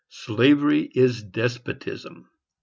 SLAVERY IS DESPOTISM.